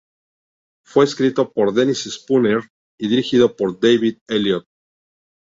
Fue escrito por Dennis Spooner y dirigido por David Elliott.